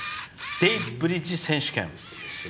泥ブリッジ選手権。